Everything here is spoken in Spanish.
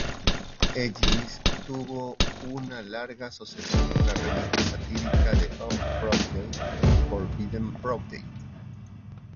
Ellis tuvo una larga asociación con la revista satírica de Off-Broadway, "Forbidden Broadway".